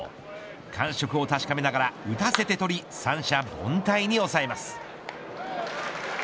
感触を確かめながら打たせて取り三者凡退に抑えます。